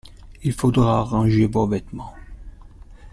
Il faudra arranger vos vêtements.